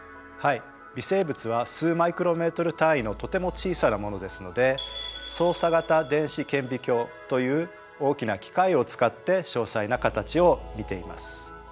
微生物は数マイクロメートル単位のとても小さなものですので走査型電子顕微鏡という大きな機械を使って詳細な形を見ています。